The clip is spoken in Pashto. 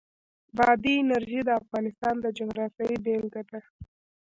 بادي انرژي د افغانستان د جغرافیې بېلګه ده.